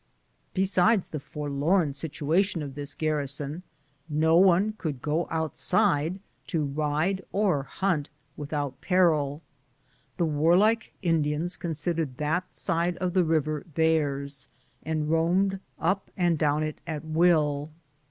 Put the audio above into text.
Beside the forlorn situation of this garrison, no one could go outside to ride or hunt without peril. The warlike Indians considered that side of the river theirs, and roamed up and down it at will.